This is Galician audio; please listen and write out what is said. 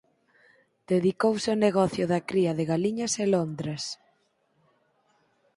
Dedicouse ó negocio da cría de galiñas e lontras.